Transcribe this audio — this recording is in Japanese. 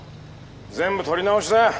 全部撮り直しだ。